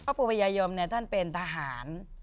ปู่พญายมท่านเป็นทหาร